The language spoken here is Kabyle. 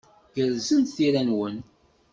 Gerrzent tira-nwen.